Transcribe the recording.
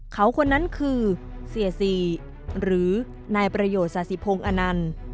เขาคนนั้นคือเสียซีหรือนายประโยชน์สาธิพงศ์อนันต์